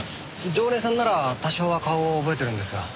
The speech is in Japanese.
常連さんなら多少は顔を覚えてるんですが。